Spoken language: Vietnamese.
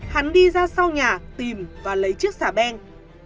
hắn đi ra sau nhà tìm và lấy chiếc xà beng